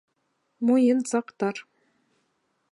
Муйынсаҡтар!..